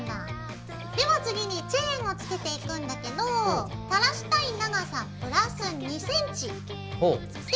では次にチェーンをつけていくんだけど垂らしたい長さプラス２ｃｍで切ります。